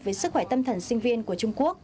về sức khỏe tâm thần sinh viên của trung quốc